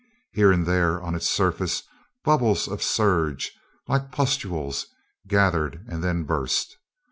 Here and there, on its surface, bubbles of surge, like pustules, gathered and then burst.